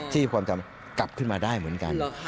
ที่พอจะกลับขึ้นมาได้เหมือนกัน